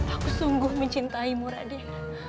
aku sungguh mencintaimu raden